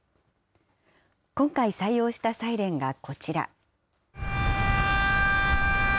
今回採用したサイレンがこちら。